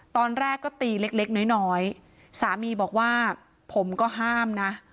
ตอนแรกก็ตีเล็กน้อยสามีบอกว่าผมก็ห้ามนะ